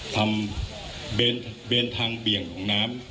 สำเร็จเป็นทางเบียงของน้ำ